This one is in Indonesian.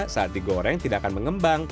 saat digoreng tidak akan mengembang